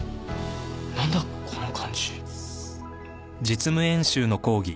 何だこの感じ。